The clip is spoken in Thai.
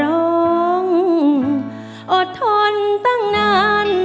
น้องอดทนตั้งนาน